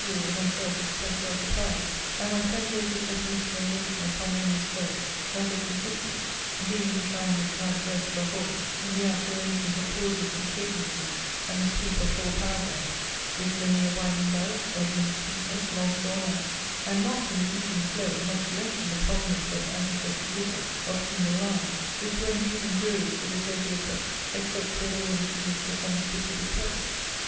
W and myself expressed our surprise: and my friend gave his definition and notion of harmonious verse, that it consisted, (the English iambic blank verse above all,) in the apt arrangement of pauses and cadences, and the sweep of whole paragraphs, "with many a winding bout Of linked sweetness long drawn out," and not in the even flow, much less in the prominence of antithetic vigour, of single lines, which were indeed injurious to the total effect, except where they were introduced for some specific purpose.